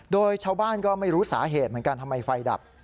โดยชาวบ้านก็ไม่รู้สาเหตุเหมือนกันทำไมไฟดับ